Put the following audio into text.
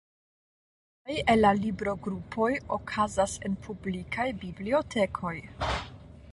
Kelkaj el la librogrupoj okazas en publikaj bibliotekoj.